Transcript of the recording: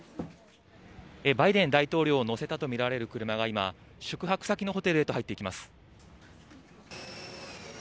バイデン大統領を乗せたとみられる車が今、宿泊先のホテルへと入っていきます。